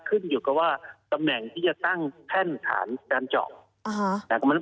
ขึ้นอยู่กับว่าตำแหน่งที่จะตั้งแท่นฐานการเจาะ